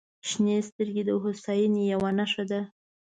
• شنې سترګې د هوساینې یوه نښه ده.